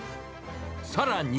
さらに。